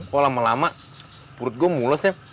kok lama lama perut gue mulos ya